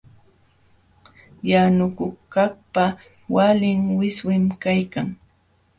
Yanukuqkaqpa walin wiswim kaykan.